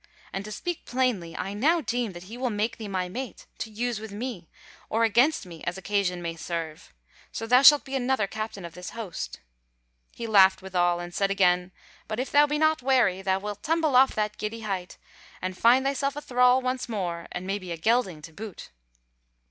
And to speak plainly, I now deem that he will make thee my mate, to use with me, or against me as occasion may serve; so thou shalt be another captain of his host." He laughed withal, and said again: "But if thou be not wary, thou wilt tumble off that giddy height, and find thyself a thrall once more, and maybe a gelding to boot."